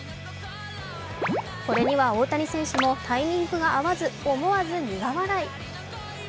これには大谷選手もタイミングが合わず思わず苦笑い。